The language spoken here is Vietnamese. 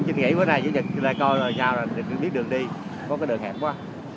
chính nghĩ với này chúng ta coi là sao là biết đường đi có cái đường hẹp quá